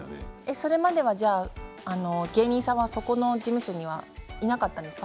それまでは芸人さんはそこの事務所にはいなかったんですか？